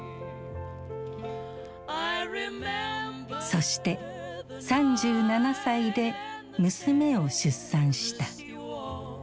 そして３７歳で娘を出産した。